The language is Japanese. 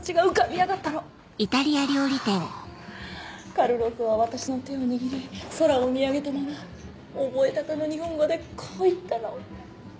カルロスは私の手を握り空を見上げたまま覚えたての日本語でこう言ったの。